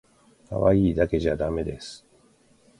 かわいいだけじゃだめです